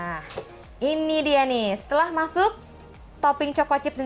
choco chips untuk topping ini diberikan ke dalam pancian dan diberikan kembali ke dalam pancian